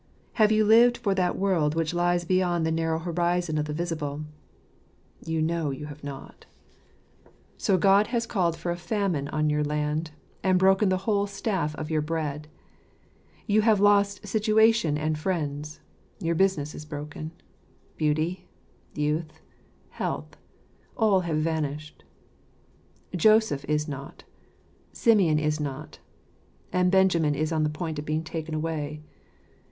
Have you lived for that W'orld which lies beyond the narrow horizon of the visible ? You know you have not. So God 96 Jfasejr h's BfitterMeln faritlj f§is fSjretljrctt. has called for a famine on your land, and broken the whole staff of your bread. You have lost situation and friends. Your business is broken. Beauty, youth, health — all have vanished. Joseph is not; Simeon is not; and Benjamin is on the point of being taken away.